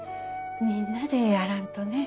みんなでやらんとね。